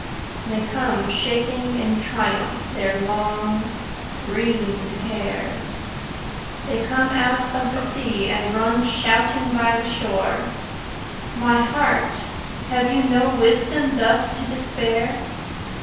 They come shaking in triumph their long, green hair: They come out of the sea and run shouting by the shore. My heart, have you no wisdom thus to despair?